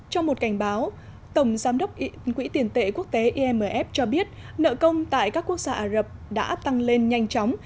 trong một cảnh báo tổng giám đốc quỹ tiền tệ quốc tế imf cho biết nợ công tại các quốc gia ả rập đã tăng lên nhanh chóng